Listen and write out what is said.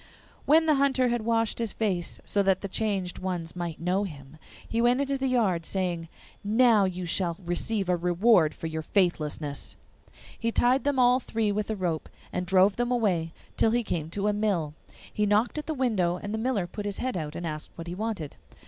When the Hunter had washed his face, so that the changed ones might know him, he went into the yard, saying, 'Now you shall receive a reward for your faithlessness.' He tied them all three with a rope, and drove them away till he came to a mill. He knocked at the window, and the miller put his head out and asked what he wanted.